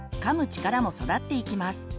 力も育っていきます。